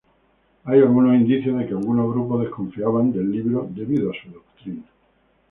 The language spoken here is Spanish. Hay algunos indicios de que algunos grupos desconfiaban del libro debido a su doctrina.